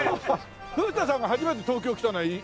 古田さんが初めて東京来たのは何歳の時？